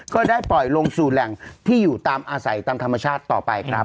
ก็ได้ปล่อยลงสู่แหล่งที่อยู่ตามอาศัยตามธรรมชาติต่อไปครับ